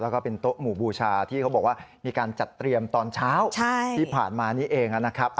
แล้วก็เป็นโต๊ะหมู่บูชาที่เขาบอกว่ามีการจัดเตรียมตอนเช้าที่ผ่านมานี้เองนะครับ